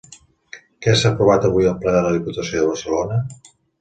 Què s'ha aprovat avui al ple de la Diputació de Barcelona?